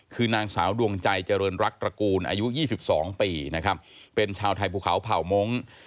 คือนางสาวดวงใจเจริญรักตระกูลอายุ๒๒ปีนะครับเป็นชาวไทยภูเขาเผ่ามงค์